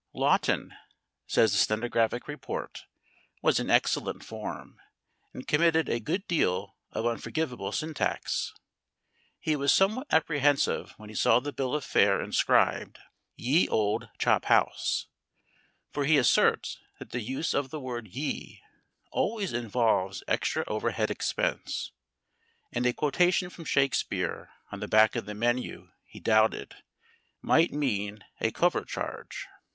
Lawton, says the stenographic report, was in excellent form, and committed a good deal of unforgivable syntax. He was somewhat apprehensive when he saw the bill of fare inscribed "Ye Olde Chop House," for he asserts that the use of the word "Ye" always involves extra overhead expense and a quotation from Shakespeare on the back of the menu, he doubted, might mean a couvert charge.